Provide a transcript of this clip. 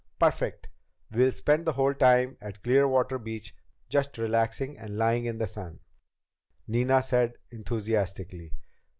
"Perfect! We'll spend the whole time at Clearwater Beach just relaxing and lying in the sun," Nina said enthusiastically.